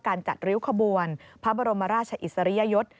จัดริ้วขบวนพระบรมราชอิสริยยศ